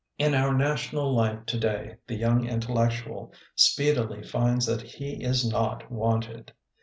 In our national life today the young intellectual speedily finds that he is not wanted.